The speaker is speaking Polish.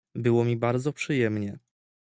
"Było mi bardzo przyjemnie“."